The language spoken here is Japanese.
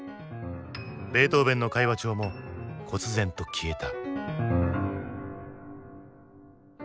ベートーヴェンの会話帳もこつ然と消えた。